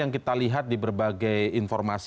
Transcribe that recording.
yang kita lihat di berbagai informasi